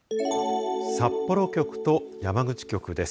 札幌局と山口局です。